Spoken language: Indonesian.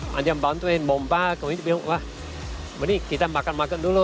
manja membantuin mombak kemudian bilang wah ini kita makan makan dulu